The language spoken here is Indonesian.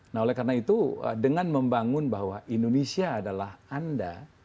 nah oleh karena itu dengan membangun bahwa indonesia adalah anda